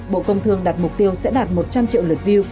bộ công thương đặt mục tiêu sẽ đạt một trăm linh triệu lượt view